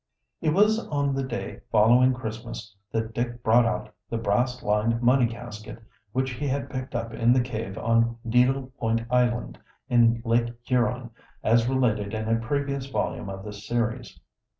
It was on the day following Christmas that Dick brought out the brass lined money casket which he had picked up in the cave on Needle Point Island, in Lake Huron, as related in a previous volume of this series.